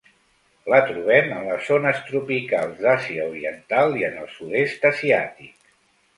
La trobem en les zones tropicals d'Àsia Oriental i en el sud-est asiàtic.